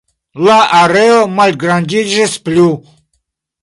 La areo malgrandiĝis plu.